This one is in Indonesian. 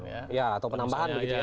ya atau penambahan begitu ya